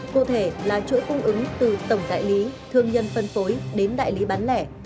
cụ thể là chuỗi cung ứng từ tổng đại lý thương nhân phân phối đến đại lý bán lẻ